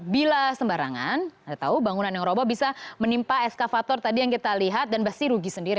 bila sembarangan kita tahu bangunan yang roboh bisa menimpa eskavator tadi yang kita lihat dan pasti rugi sendiri